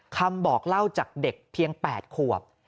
คำบอกเล่าจากเด็กเพียง๘ขวบ